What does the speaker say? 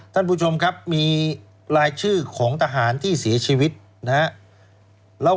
ท่านผู้ชมครับมีรายชื่อของทหารที่เสียชีวิตนะครับ